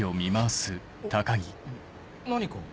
何か？